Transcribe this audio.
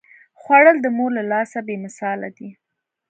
خوړل د مور له لاسه بې مثاله دي